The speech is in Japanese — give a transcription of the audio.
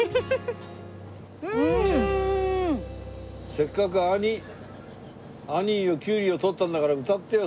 せっかくアニーよキュウリをとったんだから歌ってよ